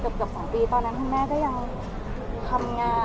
เกือบ๒ปีตอนนั้นคุณแม่ก็ยังทำงาน